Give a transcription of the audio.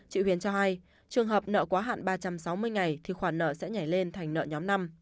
chị huyền cho hay trường hợp nợ quá hạn ba trăm sáu mươi ngày thì khoản nợ sẽ nhảy lên thành nợ nhóm năm